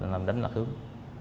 làm đánh lạc hướng